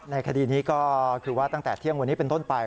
คดีนี้ก็คือว่าตั้งแต่เที่ยงวันนี้เป็นต้นไป